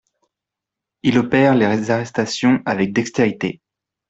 Il opère les arrestations avec dextérité.